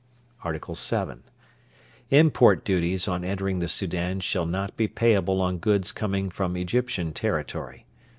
ART. VII. Import duties on entering the Soudan shall not be payable on goods coming from Egyptian territory.